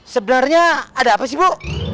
sebenarnya ada apa sih bu